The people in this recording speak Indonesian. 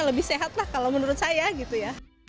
lebih sehat lah kalau menurut saya gitu ya